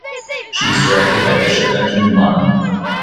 She’s directed by Bishop Benjamin Boni.